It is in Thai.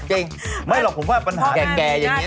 เก่งไม่หรอกผมว่าปัญหาแก่อย่างนี้